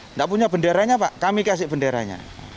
tidak punya benderanya pak kami kasih benderanya